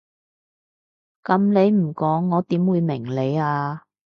噉你唔講我點會明你啊？